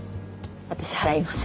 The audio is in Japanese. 私払います。